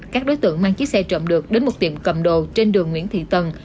các đối tượng mang chiếc xe trộm được đến một tiệm cầm đồ trên đường nguyễn thị tần